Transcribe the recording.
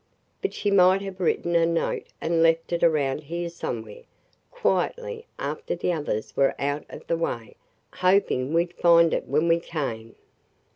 But she might have written a note and left it around here somewhere, quietly, after the others were out of the way, hoping we 'd find it when we came."